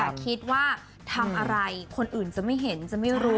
คิดว่าทำอะไรคนอื่นจะไม่เห็นจะไม่รู้